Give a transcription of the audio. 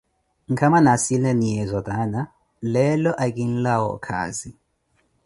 nkama naasilaniyeezo taana, leelo akinlawa okaazi.